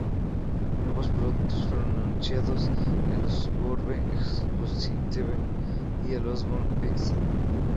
Nuevos productos fueron anunciados: el Osborne Executive y el Osborne Vixen.